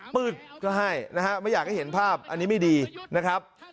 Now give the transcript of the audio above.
มืดก็ให้นะฮะไม่อยากให้เห็นภาพอันนี้ไม่ดีนะครับ